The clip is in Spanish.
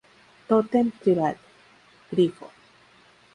Tótem Tribal: Grifo